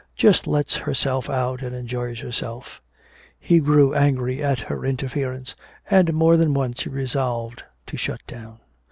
"Just lets herself out and enjoys herself!" He grew angry at her interference, and more than once he resolved to shut down.